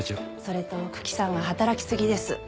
それと九鬼さんは働きすぎです。